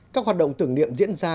các hoạt động tưởng niệm diễn ra